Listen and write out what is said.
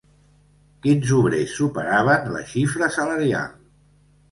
Quins obrers superaven la xifra salarial?